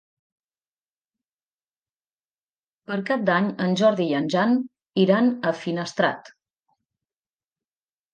Per Cap d'Any en Jordi i en Jan iran a Finestrat.